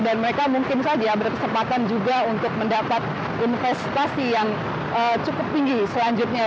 dan mereka mungkin saja berkesempatan juga untuk mendapat investasi yang cukup tinggi selanjutnya